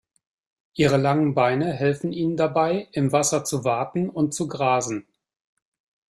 Ihre langen Beine helfen ihnen dabei, im Wasser zu waten und zu grasen.